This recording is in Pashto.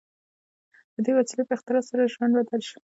د دې وسیلې په اختراع سره ژوند بدل شو.